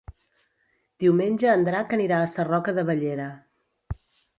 Diumenge en Drac anirà a Sarroca de Bellera.